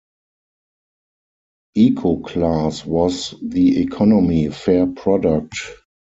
Eco Class was the Economy-fare product.